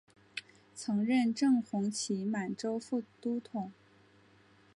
曾任正红旗满洲副都统。